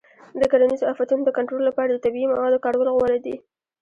د کرنیزو آفتونو د کنټرول لپاره د طبیعي موادو کارول غوره دي.